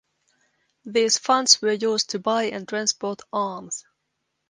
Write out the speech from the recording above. These funds were used to buy and transport arms.